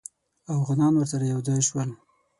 اوغانان ورسره یو ځای شول.